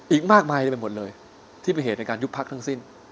อีกมากมายไปหมดเลยที่เป็นเหตุในการยุบพักทั้งสิ้น